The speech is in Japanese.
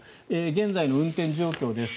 現在の運転状況です。